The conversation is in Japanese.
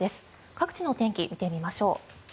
各地の天気、見てみましょう。